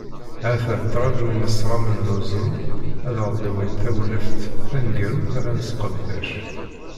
Ha-t-a nettraǧu inesramen n uẓru, ad aɣ-d-awin tawleft taneggarut ara nesqerdec.